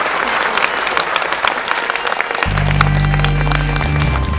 รักษี